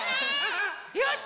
よし！